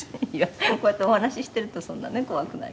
「こうやってお話ししているとそんなね怖くないけど」